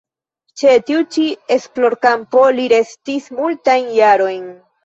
Ĉe tiu ĉi esplorkampo li restis multajn jarojn.